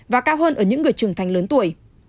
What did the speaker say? và cao hơn ở những người trưởng thành lớn tuổi